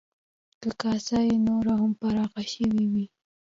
که کاسه یې نوره هم پراخه شوې وی،